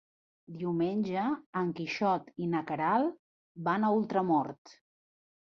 Diumenge en Quixot i na Queralt van a Ultramort.